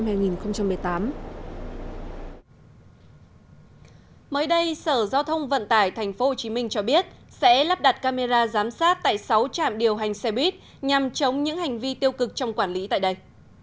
mới đây sở giao thông vận tải tp hcm cho biết sẽ lắp đặt camera giám sát tại sáu trạm điều hành xe buýt nhằm chống những hành vi tiêu cực trong quản lý tại đây